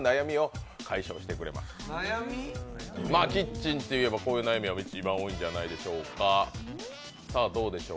キッチンといえばこういう悩みは一番多いんじゃないでしょうか。